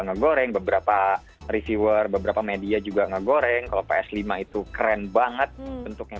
ngegoreng beberapa reviewer beberapa media juga ngegoreng kalau ps lima itu keren banget bentuknya